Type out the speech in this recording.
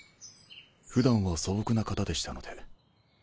普段は素朴な方でしたので。